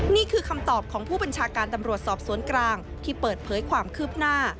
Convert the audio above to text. นี่คือคำตอบของผู้บัญชาการตำรวจสอบสวนกลางที่เปิดเผยความคืบหน้า